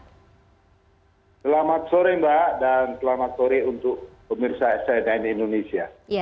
selamat sore mbak dan selamat sore untuk pemirsa cnn indonesia